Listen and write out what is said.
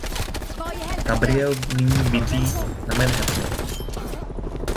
Gabriel nyní bydlí na Manhattanu.